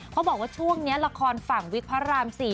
เขาบอกว่าช่วงนี้ละครฝั่งวิกพระราม๔